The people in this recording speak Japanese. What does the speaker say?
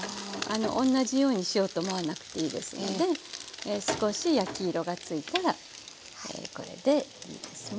同じようにしようと思わなくていいですので少し焼き色がついたらこれでいいですね。